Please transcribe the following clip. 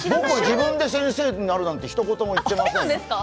自分で先生になるなんてひと言も言っていないです。